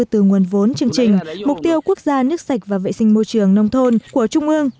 từ nguồn vốn chương trình mục tiêu quốc gia nước sạch và vệ sinh môi trường nông thôn của trung ương